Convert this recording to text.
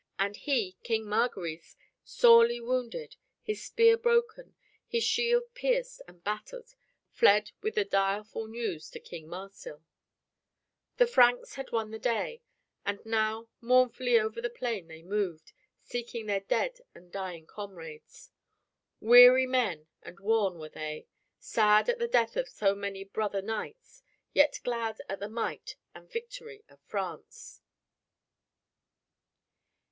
And he, King Margaris, sorely wounded, his spear broken, his shield pierced and battered, fled with the direful news to King Marsil. The Franks had won the day, and now mournfully over the plain they moved, seeking their dead and dying comrades. Weary men and worn were they, sad at the death of many brother knights, yet glad at the might and victory of France.